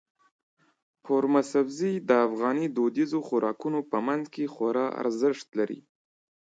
قورمه سبزي د افغاني دودیزو خوراکونو په منځ کې خورا ارزښت لري.